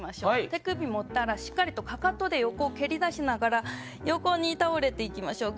手首を持ったらしっかり横にかかとで蹴り出しながら横に倒れていきましょう。